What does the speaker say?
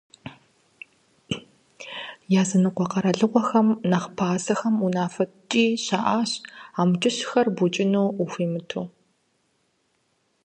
Языныкъуэ къэралыгъуэхэм нэхъ пасэхэм унафэ ткӀий щыӀащ амкӀыщхэр букӀыну ухуимыту.